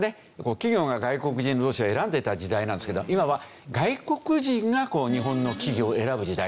企業が外国人労働者を選んでいた時代なんですけど今は外国人が日本の企業を選ぶ時代。